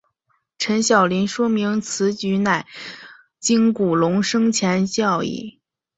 陈晓林说明此举乃经古龙生前授意。